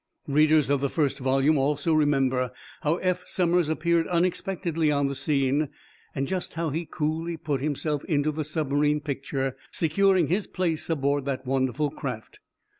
Readers of the first volume also remember how Eph Somers appeared unexpectedly on the scene, and just how he coolly put himself into the submarine picture, securing his place aboard that wonderful craft.